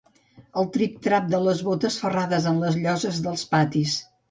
El trip-trap de les botes ferrades en les lloses dels patis